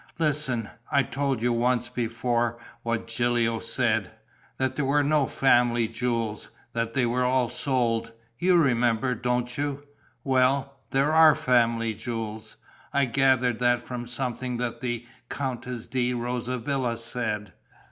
Listen. I told you once before what Gilio said ... that there were no family jewels, that they were all sold: you remember, don't you? Well, there are family jewels. I gathered that from something the Countess di Rosavilla said.